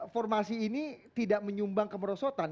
formasi ini tidak menyumbang kemerosotan